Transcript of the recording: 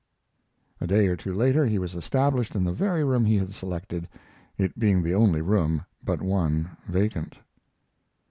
A day or two later he was established in the very room he had selected, it being the only room but one vacant.